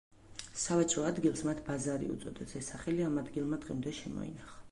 სავაჭრო ადგილს მათ ბაზარი უწოდეს, ეს სახელი ამ ადგილმა დღემდე შემოინახა.